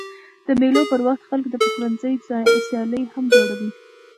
د مېلو پر وخت خلک د پخلنځي سیالۍ هم جوړوي.